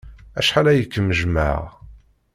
Acḥal ay kem-jjmeɣ!